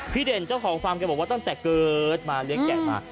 เด่นเจ้าของฟาร์มแกบอกว่าตั้งแต่เกิดมาเลี้ยงแก่มา